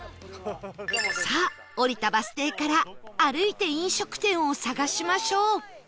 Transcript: さあ降りたバス停から歩いて飲食店を探しましょう